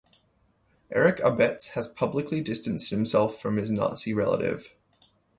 Eric Abetz has publicly distanced himself from his Nazi relative.